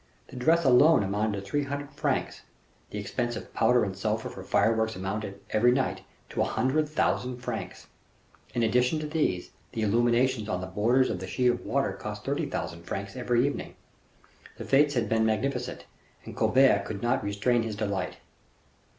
The dress alone amounted to three hundred francs. The expense of powder and sulphur for fireworks amounted, every night, to a hundred thousand francs. In addition to these, the illuminations on the borders of the sheet of water cost thirty thousand francs every evening. The fetes had been magnificent; and Colbert could not restrain his delight.